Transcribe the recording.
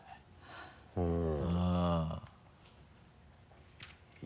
うん。